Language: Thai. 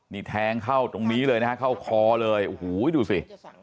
นี่แทงเข้าตรงนี้เลยนะฮะเข้าคอเลยโอ้โหดูสิ